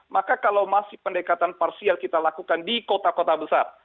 maka kalau masih pendekatan parsial kita lakukan di kota kota besar